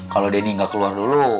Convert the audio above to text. kalau denny nggak keluar dulu